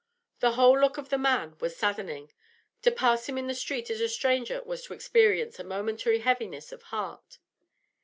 The whole look of the man was saddening; to pass him in the street as a stranger was to experience a momentary heaviness of heart.